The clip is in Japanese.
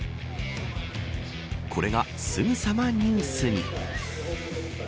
これがすぐさまニュースに。